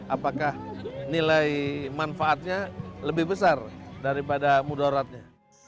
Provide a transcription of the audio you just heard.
apakah nilai manfaatnya lebih besar daripada mudaratnya